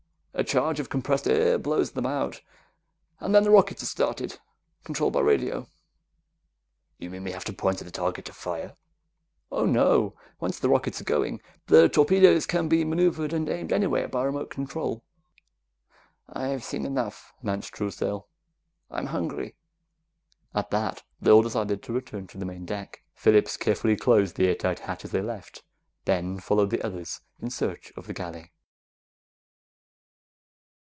A charge of compressed air blows them out, and then the rockets are started and controlled by radio." "You mean we have to point at a target to fire?" "Oh, no. Once the rockets are going, the torpedo can be maneuvered and aimed anywhere by remote control." "I've seen enough," announced Truesdale. "I'm hungry." At that, they all decided to return to the main deck. Phillips carefully closed the airtight hatch as they left, then followed the others in search of the galley.